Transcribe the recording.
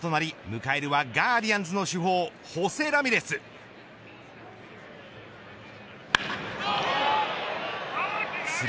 迎えるはガーディアンズの主砲ホセ・ラミレス。